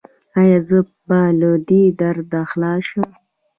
ایا زه به له دې درده خلاص شم؟